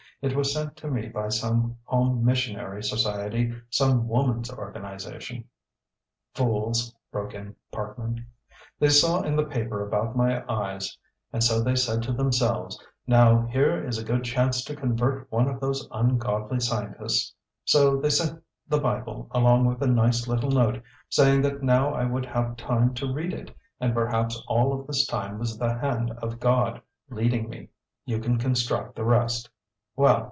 It was sent to me by some home missionary society, some woman's organization " "Fools!" broke in Parkman. "They saw in the paper about my eyes and so they said to themselves 'Now here is a good chance to convert one of those ungodly scientists.' So they sent the Bible along with a nice little note saying that now I would have time to read it, and perhaps all of this was the hand of God leading me you can construct the rest. Well."